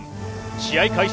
試合開始